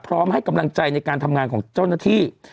พร้อมให้กำลังใจในการทำงานของเจ้าหน้าที่